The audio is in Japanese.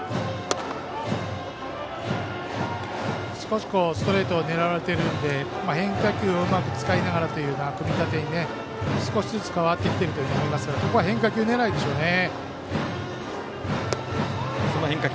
少しストレートを狙われているので変化球をうまく使いながらという組み立てに少しずつ変わってきていると思いますがここは変化球狙いでしょうね。